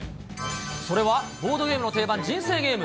それはボードゲームの定番、人生ゲーム。